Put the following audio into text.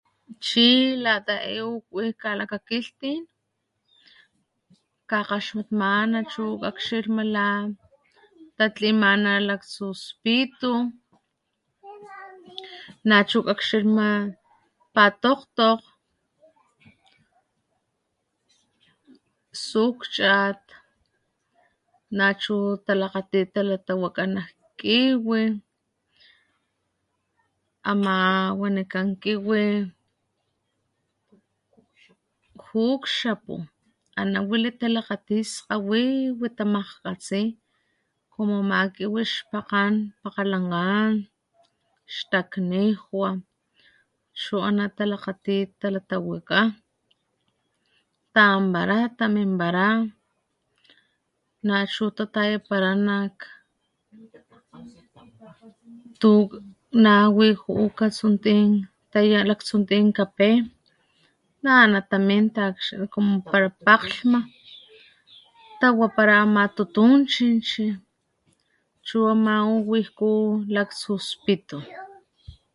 Chi lata ewi kalakgakgilhtin kakgaxnukmana chu akxilhmalan talhimanalaksu spitu na chu akxilhma patokgtokg sukgchak na chu talakgatit talaktawakgená kiwi amá wanikán kiwi ju'u kxapu ana wilitalakgati stawi watamakgatsi o makiwixtakgán makgalankgán xtak nejwa xu aná talakgati talatawakgá tambará taminbará nachu takae paranak tuk na wi ju'u kasonti kaya laksonti kapén na ata nenkakxalhku para palhkna tawa para matutúnchilhchi chu ma uwilkú latksu spitu.